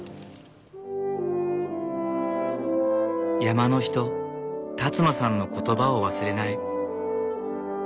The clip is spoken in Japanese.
山の人辰野さんの言葉を忘れない。